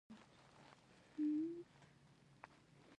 د کور ساعت غلط روان و.